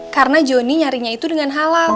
karena johnny nyarinya itu dengan halal